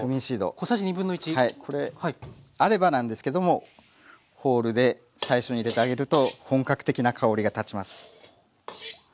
これあればなんですけどもホールで最初に入れてあげると本格的な香りがたちます。